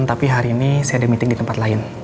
tapi hari ini saya ada meeting di tempat lain